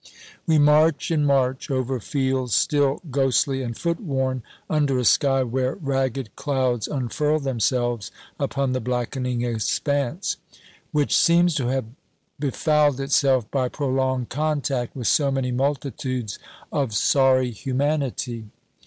We march and march, over fields still ghostly and foot worn, under a sky where ragged clouds unfurl themselves upon the blackening expanse which seems to have befouled itself by prolonged contact with so many multitudes of sorry humanity.